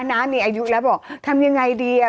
น้ามีอายุแล้วบอกทำยังไงดีอ่ะ